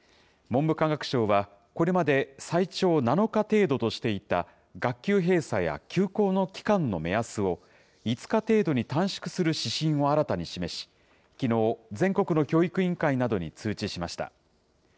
文部科学省は、これまで最長７日程度としていた学級閉鎖や休校の期間の目安を、５日程度に短縮する指針を新たに示し、きのう、全国の教育委員会などに通知しました。